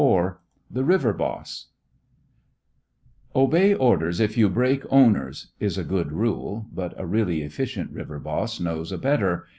IV THE RIVER BOSS "Obey orders if you break owners" is a good rule, but a really efficient river boss knows a better.